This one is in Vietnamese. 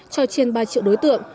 cho trên ba triệu đối tượng